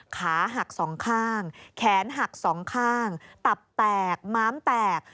ขาหักสองข้างแขนหักสองข้างตับแตกม้ามแตก